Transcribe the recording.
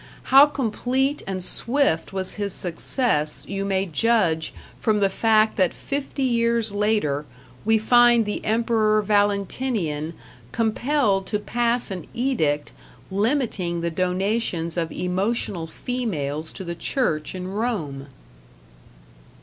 How complete and swift was his success you may judge from the fact that fifty years later we find the Emperor Valentinian compelled to pass an edict limiting the donations of emotional females to the church in Rome!